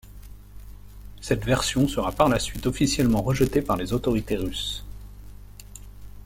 Cette version sera par la suite officiellement rejetée par les autorités russes.